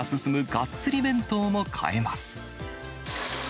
がっつり弁当も買えます。